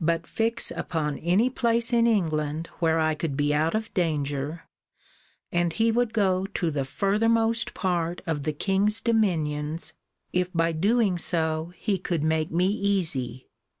But fix upon any place in England where I could be out of danger, and he would go to the furthermost part of the king's dominions, if by doing so he could make me easy.